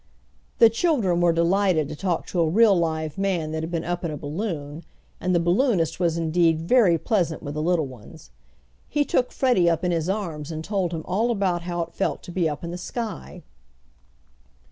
The children were delighted to talk to a real live man that had been up in a balloon, and the balloonist was indeed very pleasant with the little ones. He took Freddie up in his arms and told him all about how it felt to be up in the sky.